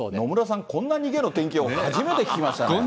野村さん、こんな逃げの天気予報、初めて聞きましたね。